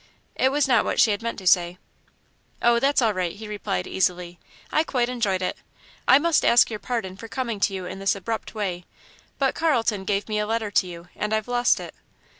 It was not what she had meant to say. "Oh, that's all right," he replied, easily; "I quite enjoyed it. I must ask your pardon for coming to you in this abrupt way, but Carlton gave me a letter to you, and I've lost it."